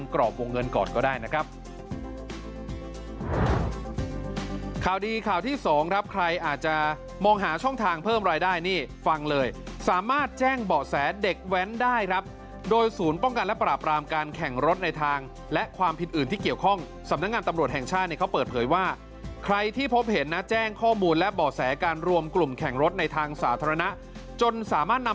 ข่าวดีข่าวที่สองครับใครอาจจะมองหาช่องทางเพิ่มรายได้นี่ฟังเลยสามารถแจ้งเบาะแสเด็กแว้นได้ครับโดยศูนย์ป้องกันและปราบรามการแข่งรถในทางและความผิดอื่นที่เกี่ยวข้องสำนักงานตำรวจแห่งชาติเนี่ยเขาเปิดเผยว่าใครที่พบเห็นนะแจ้งข้อมูลและเบาะแสการรวมกลุ่มแข่งรถในทางสาธารณะจนสามารถนำ